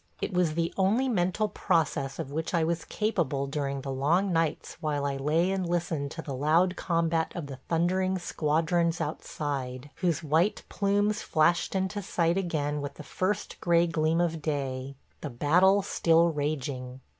It was the only mental process of which I was capable during the long nights while I lay and listened to the loud combat of the thundering squadrons outside, whose white plumes flashed into sight again with the first gray gleam of day – the battle still raging.